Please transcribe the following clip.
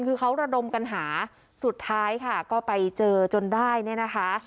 คือเขาระดมกันหาสุดท้ายค่ะก็ไปเจอจนได้เนี่ยนะคะ